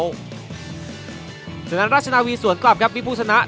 และฉะนั้นรัฐชนาวีสวนกลับครับวิภูสนา